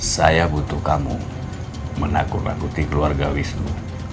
saya butuh kamu menakut nakuti keluarga wisnu